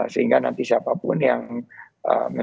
sehingga nanti siapapun yang menangan